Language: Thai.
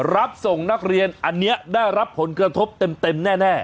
รับส่งนักเรียนอันนี้ได้รับผลกระทบเต็มแน่